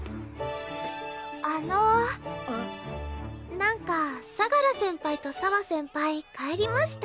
なんか相楽先輩と沢先輩帰りました。